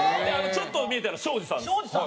ちょっと見えてるの庄司さんです。